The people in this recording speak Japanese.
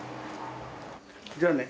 じゃあね。